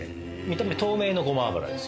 見た目透明のごま油です。